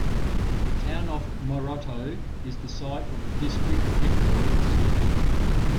The town of Moroto is the site of the district headquarters.